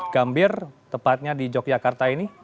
gambir tepatnya di yogyakarta ini